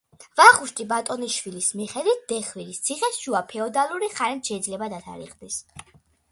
ვახუშტი ბატონიშვილის მიხედვით დეხვირის ციხე შუა ფეოდალური ხანით შეიძლება დათარიღდეს.